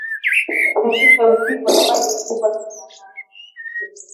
Saa sita usiku na bado sikuwa kitandani